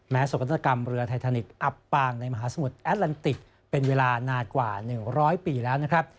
สกัตกรรมเรือไททานิกอับปางในมหาสมุทรแอดแลนติกเป็นเวลานานกว่า๑๐๐ปีแล้วนะครับ